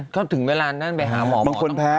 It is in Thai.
ก็ถึงเวลานั้นไปหาหมอหมอต้องถาม